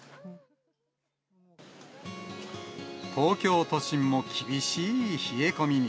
東京都心も厳しい冷え込みに。